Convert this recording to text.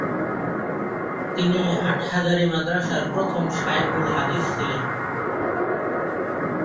তিনি হাটহাজারী মাদ্রাসার প্রথম শায়খুল হাদিস ছিলেন।